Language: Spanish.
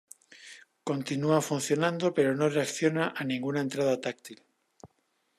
Continua funcionando pero no reacciona a ninguna entrada táctil.